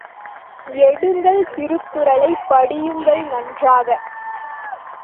எடுங்கள் திருக்குறளை, படியுங்கள் நன்றாக.